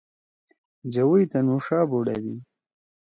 جوئی تُنُو ݜا بُوڑدی۔